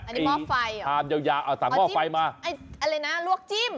อันนี้หม้อไฟเหรอเอาจิ้มอะไรนะลวกจิ้ม